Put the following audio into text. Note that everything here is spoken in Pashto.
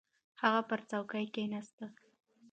هغه پر څوکۍ کښېناست.